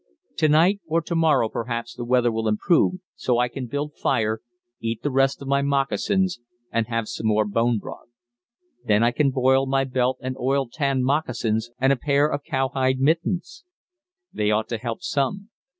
To night or to morrow perhaps the weather will improve, so I can build fire, eat the rest of my moccasins and have some more bone broth. Then I can boil my belt and oil tanned moccasins and a pair of cowhide mittens. They ought to help some.